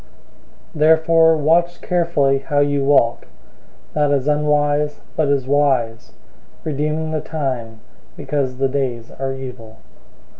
005:015 Therefore watch carefully how you walk, not as unwise, but as wise; 005:016 redeeming the time, because the days are evil.